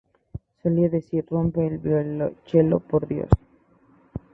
Solía decir: "¡Rompe el violonchelo, por Dios!